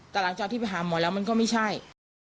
แต่หลังจากที่ไปหาหมอแล้วมันก็ไม่ใช่